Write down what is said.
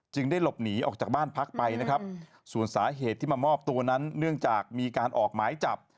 ได้หลบหนีออกจากบ้านพักไปนะครับส่วนสาเหตุที่มามอบตัวนั้นเนื่องจากมีการออกหมายจับ